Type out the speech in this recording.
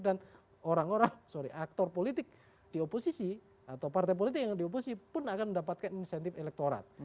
dan orang orang sorry aktor politik di oposisi atau partai politik yang ada di oposisi pun akan mendapatkan insentif elektorat